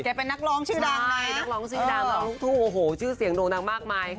เค้าเป็นนักร้องชื่อดังนะ